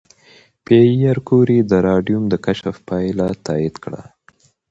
پېیر کوري د راډیوم د کشف پایله تایید کړه.